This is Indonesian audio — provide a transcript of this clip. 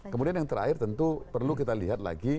kemudian yang terakhir tentu perlu kita lihat lagi